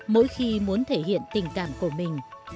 mỗi khi muốn thể hiện tình cảm của mình